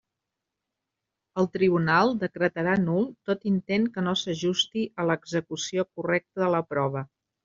El tribunal decretarà nul tot intent que no s'ajusti a l'execució correcta de la prova.